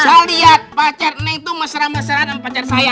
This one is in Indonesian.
saya lihat pacar neng itu mesra mesra sama pacar saya